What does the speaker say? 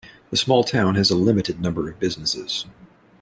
The small town has a limited number of businesses.